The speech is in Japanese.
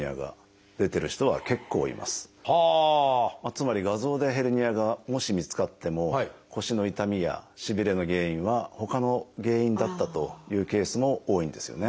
つまり画像でヘルニアがもし見つかっても腰の痛みやしびれの原因はほかの原因だったというケースも多いんですよね。